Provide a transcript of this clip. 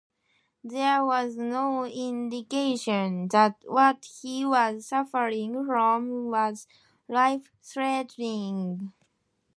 There was no indication that what he was suffering from was life-threatening.